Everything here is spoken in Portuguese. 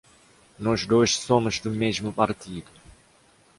Nós dois somos do mesmo partido